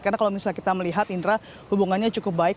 karena kalau misalnya kita melihat indra hubungannya cukup baik